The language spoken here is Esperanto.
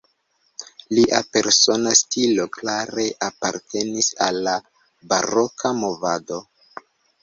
Lia persona stilo klare apartenis al la baroka movado.